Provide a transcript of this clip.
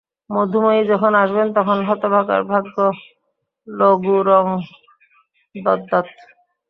মধুময়ী যখন আসবেন তখন হতভাগার ভাগ্যে লগুড়ং দদ্যাৎ।